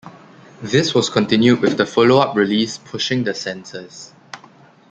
This was continued with the follow-up release "Pushing The Senses".